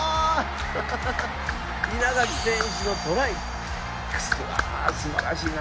稲垣選手のトライ、すばらしいな。